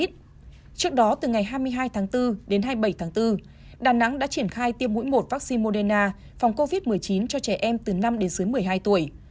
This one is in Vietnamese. trước đó từ ngày hai mươi hai tháng bốn đến hai mươi bảy tháng bốn đà nẵng đã triển khai tiêm mũi một vaccine moderna phòng covid một mươi chín cho trẻ em từ năm đến dưới một mươi hai tuổi